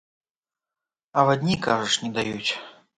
Авадні, кажаш, не даюць?